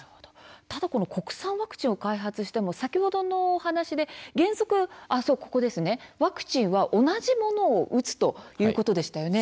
ただ国産ワクチンを開発しても先ほどの話で原則ワクチンは同じものを打つということでしたよね。